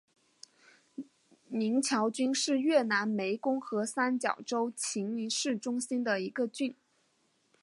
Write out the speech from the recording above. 宁桥郡是越南湄公河三角洲芹苴市中心的一个郡。